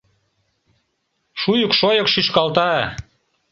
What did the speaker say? Шуйык-шойык шӱшкалта;